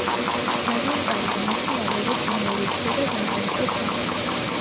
ძალიან კარგი, მაშინ ავიღოთ მეორე წრე და დავუმატოთ ამას.